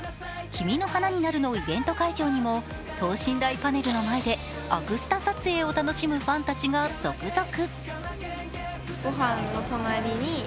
「君の花になる」のイベント会場にも等身大パネルの前でアクスタ撮影を楽しむファンたちが続々。